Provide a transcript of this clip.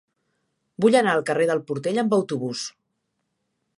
Vull anar al carrer del Portell amb autobús.